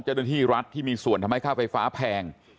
เจริญที่รัฐที่มีส่วนทำให้ค่าไฟฝาแพง